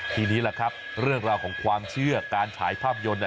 ทีนี้แหละครับเรื่องราวของความเชื่อการฉายภาพยนตร์